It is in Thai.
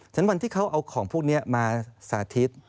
ฉะวันที่เขาเอาของพวกนี้มาสาธิต